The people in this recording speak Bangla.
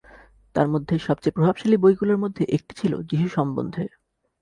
তার সবচেয়ে প্রভাবশালী বইগুলোর মধ্যে একটা ছিল যিশু সম্বন্ধে।